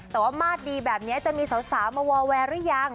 แต่ว่ามาตรดีแบบนี้จะมีสาวมาวอลแวร์หรือยัง